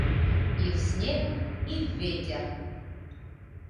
И в снег, и в ветер